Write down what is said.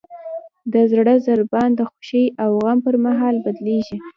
د زړه ضربان د خوښۍ او غم پر مهال بدلېږي.